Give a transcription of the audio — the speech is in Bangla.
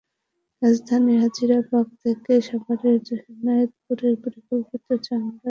রাজধানীর হাজারীবাগ থেকে সাভারের হেমায়েতপুরের পরিকল্পিত চামড়া শিল্পনগরীতে ট্যানারি স্থানান্তর এখনো প্রাথমিক পর্যায়ে।